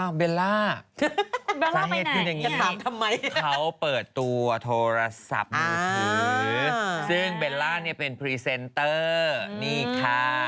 อ้าวเวลล่าสาเหตุคืออย่างนี้นะครับเขาเปิดตัวโทรศัพท์มือถือซึ่งเวลล่าเป็นพรีเซนเตอร์นี่ค่ะ